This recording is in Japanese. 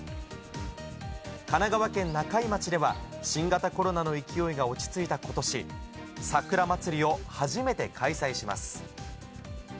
神奈川県中井町では、新型コロナの勢いが落ち着いたことし、桜祭りを初めて開催します。